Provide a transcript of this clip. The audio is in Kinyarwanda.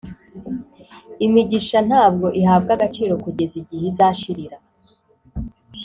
imigisha ntabwo ihabwa agaciro kugeza igihe izashirira